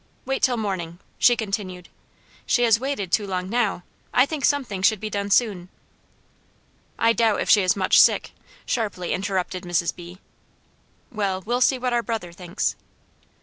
Wait till morning," she continued. "She has waited too long now; I think something should be done soon." "I doubt if she is much sick," sharply interrupted Mrs. B. "Well, we'll see what our brother thinks."